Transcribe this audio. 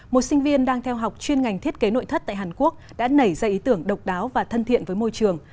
một sinh viên đang theo học chuyên ngành thiết kế nội thất tại hàn quốc đã nảy ra ý tưởng độc đáo và thân thiện với môi trường